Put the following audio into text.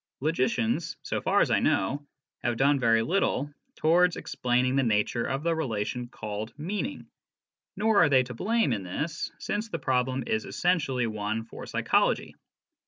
Logicians, so far as I know, have done very little towards explaining the nature of the relation called " meaning," nor are they to blame in this, since the problem is essentially one for psychology.